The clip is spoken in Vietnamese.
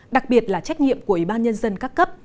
đặc biệt là trách nhiệm của ủy ban nhân dân các cấp